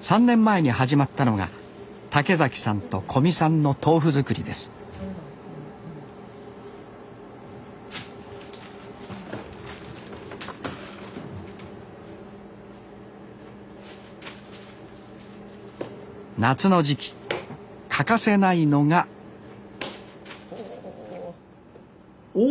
３年前に始まったのが竹さんと古味さんの豆腐作りです夏の時期欠かせないのがお！